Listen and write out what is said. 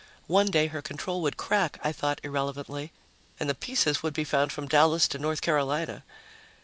One day her control would crack, I thought irrelevantly, and the pieces would be found from Dallas to North Carolina.